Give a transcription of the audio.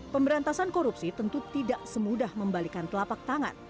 pemberantasan korupsi tentu tidak semudah membalikan telapak tangan